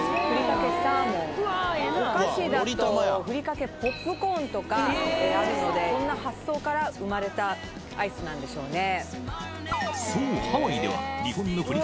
お菓子だとふりかけポップコーンとかあるのでそんな発想から生まれたアイスなんでしょうね